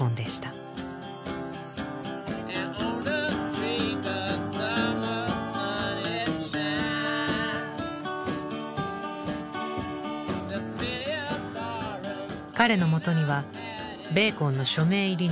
彼のもとにはベーコンの署名入りの手紙や公文書。